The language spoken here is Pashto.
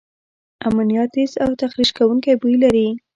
امونیا تیز او تخریش کوونکي بوی لري.